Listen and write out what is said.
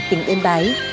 tỉnh yên bái